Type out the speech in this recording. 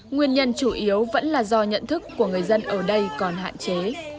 nguyên nhân chủ yếu vẫn là do nhận thức của người dân ở đây còn hạn chế